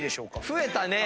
増えたね。